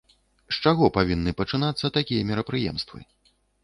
З чаго павінны пачынацца такія мерапрыемствы?